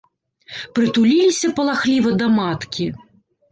Прытуліліся палахліва да маткі.